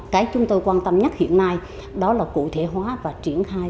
cái chúng tôi quan tâm nhất hiện nay đó là cụ thể hóa và triển khai